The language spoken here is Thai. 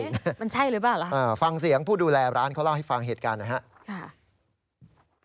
ยกมือไหวฟังเสียงผู้ดูแลร้านเขาเล่าให้ฟังเหตุการณ์นะฮะมันใช่หรือเปล่า